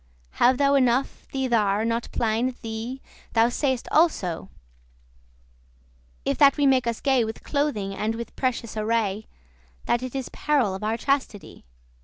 Have thou enough, thee thar* not plaine thee *need complain Thou say'st also, if that we make us gay With clothing and with precious array, That it is peril of our chastity.